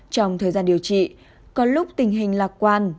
trong thời gian điều trị có lúc tình hình lạc quan